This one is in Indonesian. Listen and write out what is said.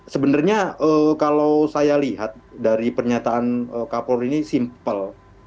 sebenarnya kalau saya lihat dari pernyataan kapolri ini simpel